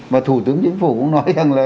và thủ tướng chính phủ cũng nói rằng là